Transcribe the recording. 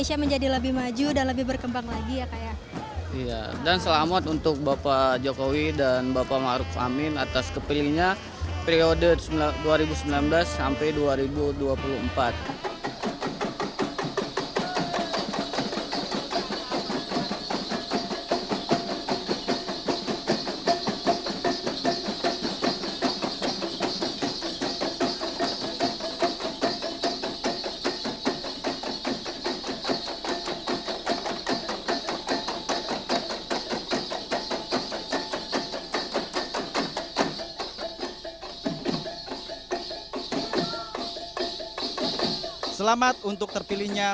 selamat atas terpilihnya dan selamat atas perlantikan bapak presiden republik indonesia